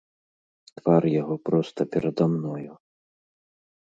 Твар яго проста перада мною.